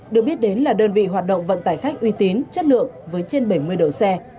được biết đến là đơn vị hoạt động vận tải khách uy tín chất lượng với trên bảy mươi độ xe